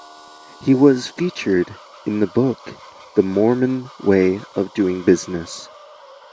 He was featured in the book The Mormon Way of Doing Business.